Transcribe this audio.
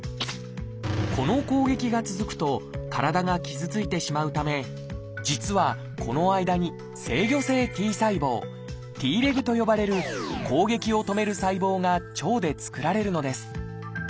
この攻撃が続くと体が傷ついてしまうため実はこの間に「制御性Ｔ細胞」と呼ばれる攻撃を止める細胞が腸で作られるのです。